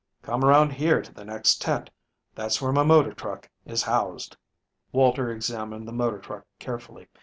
"Come around here to the next tent; that's where my motor truck is housed." Walter examined the motor truck carefully.